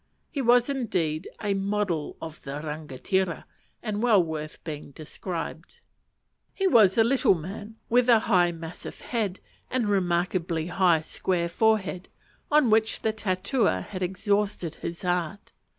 He was, indeed, a model of a rangatira, and well worth being described. He was a little man, with a high massive head, and remarkably high square forehead, on which the tattooer had exhausted his art.